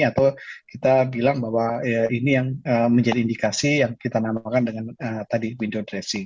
atau kita bilang bahwa ini yang menjadi indikasi yang kita namakan dengan tadi window dressing